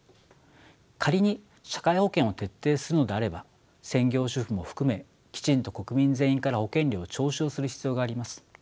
仮に社会保険を徹底するのであれば専業主婦も含めきちんと国民全員から保険料を徴収する必要があります。